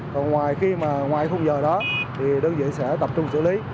còn ngoài khung giờ đó thì đơn vị sẽ tập trung xử lý